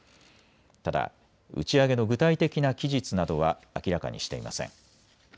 ただ打ち上げの具体的な期日などは明らかにしていません。